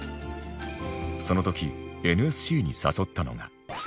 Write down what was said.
その時 ＮＳＣ に誘ったのが